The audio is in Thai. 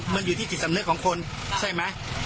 มันอยู่ที่จิตสำนึกของคนใช่ไหม